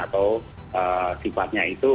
atau sifatnya itu